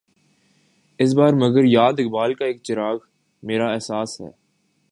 اس بار مگر یاد اقبال کا ایک چراغ، میرا احساس ہے